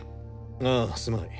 ああすまない。